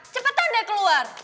cepetan deh keluar